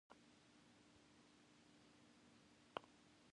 Now count left to right the number of fingers that indicates the multiple.